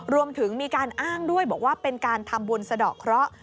รวมถึงมีการอ้างด้วยบอกว่าเป็นการทำบุญสะดอกเคราะห์